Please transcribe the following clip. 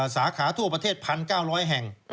สาขาทั่วประเทศ๑๙๐๐แห่ง